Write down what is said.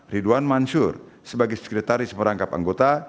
ridwan mansur sebagai sekretaris merangkap anggota